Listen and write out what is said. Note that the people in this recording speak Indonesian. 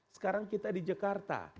sekarang kita di jakarta